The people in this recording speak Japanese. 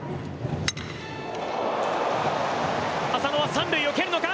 浅野は３塁を蹴るのか。